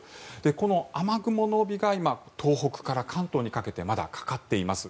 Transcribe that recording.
この雨雲の帯が今、東北から関東にかけてまだかかっています。